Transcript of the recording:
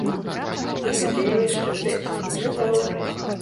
І гэта я яшчэ тэкст не чытала.